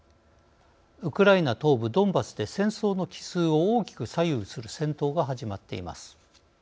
ウクライナ東部ドンバスで戦争の帰すうを大きく左右する戦闘が始まっています。